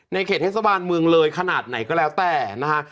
เขตเทศบาลเมืองเลยขนาดไหนก็แล้วแต่นะฮะ